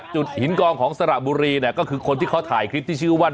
จุดหินกองของสระบุรีเนี่ยก็คือคนที่เขาถ่ายคลิปที่ชื่อว่า